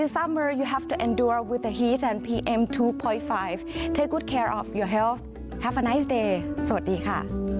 สวัสดีค่ะ